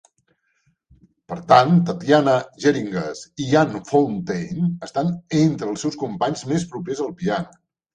Per tant, Tatiana Geringas i Ian Fountain estan entre els seus companys més propers al piano.